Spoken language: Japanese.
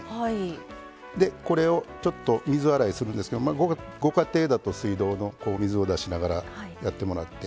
でこれをちょっと水洗いするんですけどご家庭だと水道の水を出しながらやってもらって。